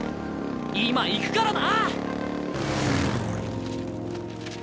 今行くからな！